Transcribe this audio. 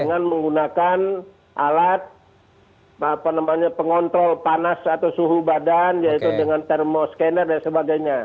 dengan menggunakan alat pengontrol panas atau suhu badan yaitu dengan termoskener dan sebagainya